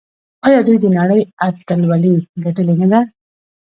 آیا دوی د نړۍ اتلولي ګټلې نه ده؟